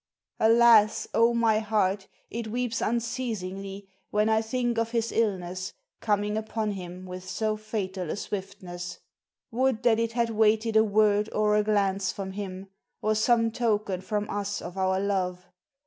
Alas! oh, my heart, it weeps unceasingly, When I think of his illness, Coming upon him with so fatal a swiftness, Would that it had waited a word or a glance from him, Or some token from us of our love.